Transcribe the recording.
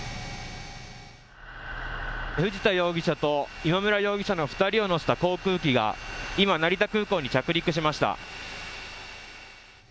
藤田容疑者と今村容疑者の２人を乗せた航空機が今、成田空港に着陸しました。